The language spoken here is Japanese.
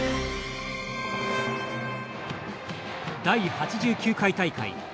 第８９回大会。